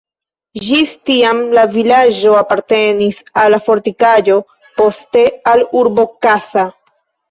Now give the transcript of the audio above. Ĝis tiam la vilaĝo apartenis al la fortikaĵo, poste al urbo Kassa.